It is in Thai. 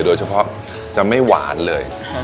โดยเฉพาะจะไม่หวานเลย